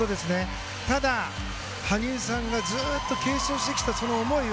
ただ、羽生さんがずっと継承してきたその思い。